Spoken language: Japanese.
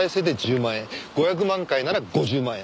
５００万回なら５０万円。